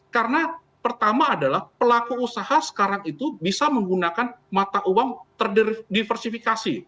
karena pertama adalah pelaku usaha sekarang itu bisa menggunakan mata uang terdiversifikasi